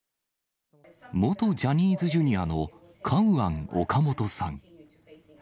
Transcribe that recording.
元ジャニーズＪｒ．のカウアン・オカモトさん。